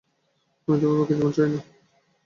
আমি তোমার বাকী জীবন চাই না।